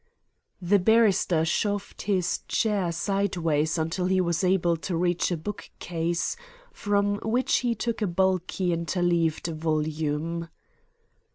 The barrister shoved his chair sideways until he was able to reach a bookcase, from which he took a bulky interleaved volume.